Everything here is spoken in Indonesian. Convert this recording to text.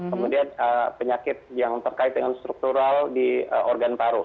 kemudian penyakit yang terkait dengan struktural di organ paru